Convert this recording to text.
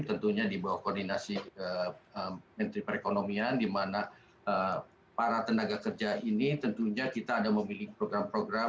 tentunya di bawah koordinasi menteri perekonomian di mana para tenaga kerja ini tentunya kita ada memiliki program program